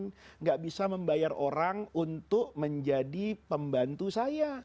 tidak bisa membayar orang untuk menjadi pembantu saya